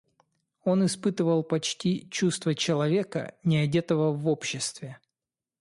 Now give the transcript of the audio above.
Он испытывал почти чувство человека неодетого в обществе.